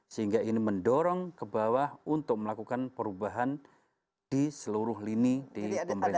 sehingga ini mendorong ke bawah untuk melakukan perubahan di seluruh lini di pemerintah